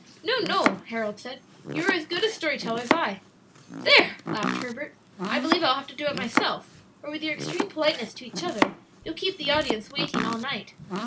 "No, no," Harold said; "you are as good a story teller as I." "There!" laughed Herbert. "I believe I'll have to do it myself, or with your extreme politeness to each other you'll keep the audience waiting all night.